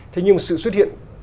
thế nhưng sự xuất hiện